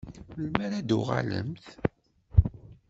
Melmi ara d-uɣalent?